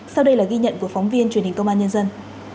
sau đây là ghi nhận của phóng viên truyền hình công an nhân dân